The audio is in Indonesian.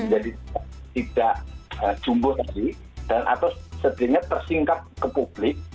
jadi tidak jumbo tadi atau sejadinya tersingkap ke publik